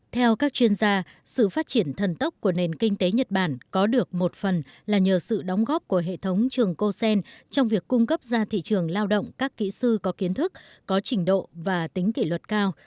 theo các chuyên gia sự phát triển thần tốc của nền kinh tế nhật bản có được một phần là nhờ sự đóng góp của hệ thống trường cosen trong việc cung cấp ra thị trường lao động các kỹ sư có kiến thức có trình độ và tính kỷ luật cao